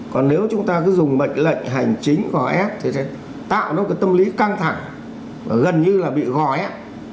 còn nếu chúng ta cứ dùng mệnh lệnh hành chính gò ép thì sẽ tạo nó cái tâm lý căng thẳng và gần như là bị gò ép